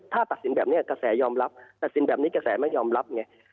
ถ้าตัดสินแบบนี้กระแสยอมรับตัดสินแบบนี้กระแสไม่ยอมรับไง